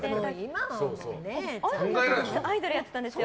アイドルやってたんですか？